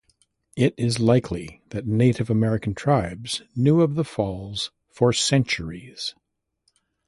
It is likely that Native American tribes knew of the falls for centuries.